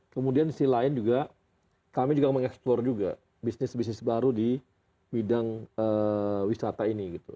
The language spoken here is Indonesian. kemudian sisi lain juga kami juga mengeksplor juga bisnis bisnis baru di bidang wisata ini gitu